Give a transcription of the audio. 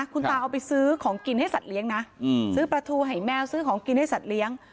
คุณตาเอาไปซื้อของกินให้สัตว์เลี้ยงนะซื้อปลาทูให้แมวซื้อของกินให้สัตว์เลี้ยง